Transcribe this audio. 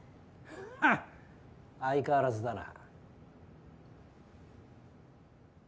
ふっ相変わらずだな。